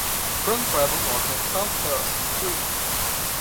Tram travel north of South Terrace is free.